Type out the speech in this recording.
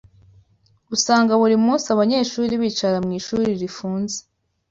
Usanga buri munsi abanyeshuri bicara mu ishuri rifunze